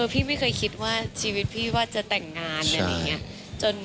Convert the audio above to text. พี่ไม่เคยคิดว่าชีวิตพี่ว่าจะแต่งงาน